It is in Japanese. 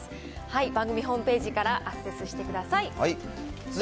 番組ホームページからアクセスしてください。